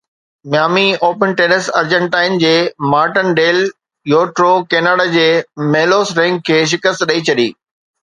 Miami Open tennis Argentine جي Martin del Potro Canada جي Milos Raonic کي شڪست ڏئي ڇڏي